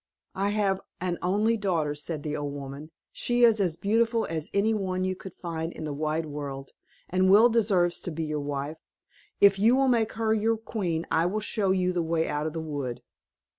"I have an only daughter," said the old woman, "she is as beautiful as any one you could find in the wide world, and well deserves to be your wife; if you will make her your queen, I will show you the way out of the wood."